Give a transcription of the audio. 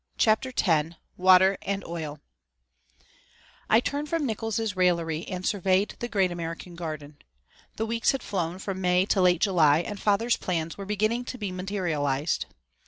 CHAPTER X WATER AND OIL I turned from Nickols' raillery and surveyed the great American garden. The weeks had flown from May to late July and father's plans were beginning to be materialized.